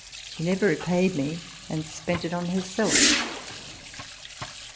She never repaid me, and spent it on herself."